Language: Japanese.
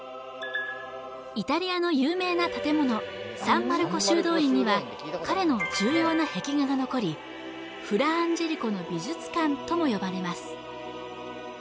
イタリアの有名な建物には彼の重要な壁画が残りフラ・アンジェリコの美術館とも呼ばれます